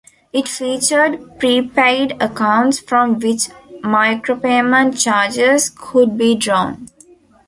It featured pre-paid accounts from which micropayment charges could be drawn.